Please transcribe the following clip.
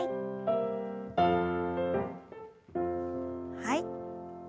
はい。